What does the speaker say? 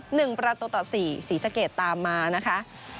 หนึ่งประตูต่อสี่ศรีสะเกดตามมานะคะ